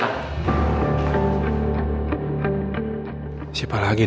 tidak ada orang yang mungkulin gue pak